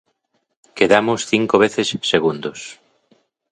Quedamos cinco veces segundos.